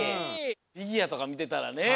フィギュアとかみてたらね。